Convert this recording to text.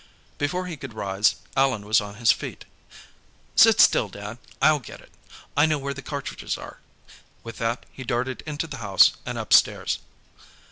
Before he could rise, Allan was on his feet. "Sit still, Dad; I'll get it. I know where the cartridges are." With that, he darted into the house and upstairs.